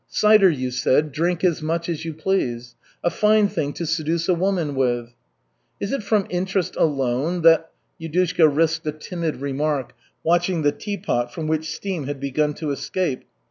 'Cider,' you said, 'drink as much as you please,' A fine thing to seduce a woman with!" "Is it from interest alone that " Yudushka risked a timid remark, watching the tea pot from which steam had begun to escape.